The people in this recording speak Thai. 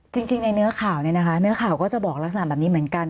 จริงในเนื้อข่าวเนี่ยนะคะเนื้อข่าวก็จะบอกลักษณะแบบนี้เหมือนกัน